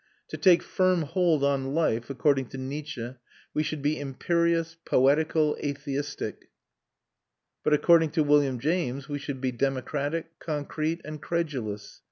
To take firm hold on life, according to Nietzsche, we should be imperious, poetical, atheistic; but according to William James we should be democratic, concrete, and credulous.